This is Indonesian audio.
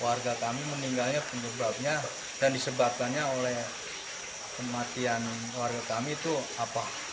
warga kami meninggalnya penyebabnya dan disebabkannya oleh kematian warga kami itu apa